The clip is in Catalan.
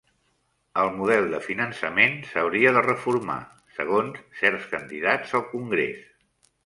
El model de finançament s'hauria de reformar, segons certs candidats al congrés